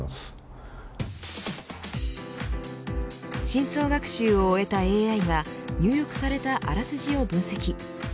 深層学習を終えたＡＩが入力されたあらすじを分析。